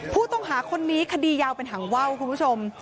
ผู้ต้องหาคนนี้คดียาวเป็นหางว่าวคุณผู้ชม